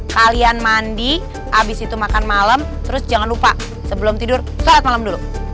kalian mandi abis itu makan malam terus jangan lupa sebelum tidur sholat malam dulu